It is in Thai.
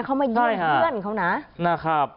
เขาไม่เยื่องเพื่อนเขานะ